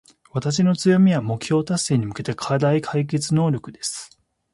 私の強みは、目標達成に向けた課題解決能力です。